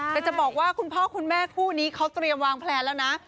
แต่จะบอกว่าคุณพ่อคุณแม่คู่นี้เขาเตรียมวางแพลนแล้วนะ